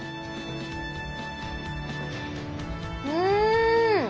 うん！